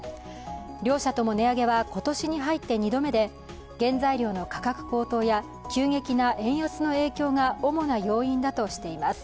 両社とも値上げは今年に入って２度目で原材料の価格高騰や急激な円安の影響が主な要因だとしています。